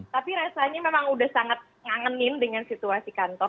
tapi rasanya memang udah sangat ngangenin dengan situasi kantor